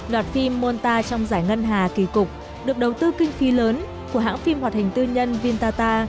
loạt phim monta trong giải ngân hà kỳ cục được đầu tư kinh phí lớn của hãng phim hoạt hình tư nhân vintata